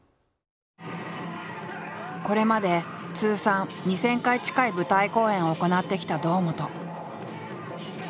これまで通算２，０００回近い舞台公演を行ってきた堂本。